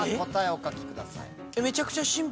お書きください。